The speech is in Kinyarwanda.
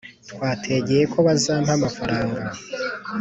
Twategeye ko bazama amafaranga